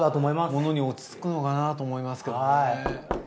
ものに落ち着くのかなと思いますけどね。